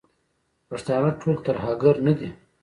پښتانه ټول ترهګر نه دي.